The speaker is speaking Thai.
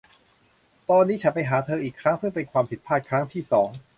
ตอนนี้ฉันไปหาเธออีกครั้งซึ่งเป็นความผิดพลาดครั้งที่สอง